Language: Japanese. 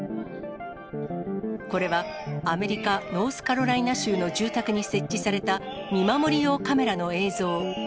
これはアメリカ・ノースカロライナ州の住宅に設置された見守り用カメラの映像。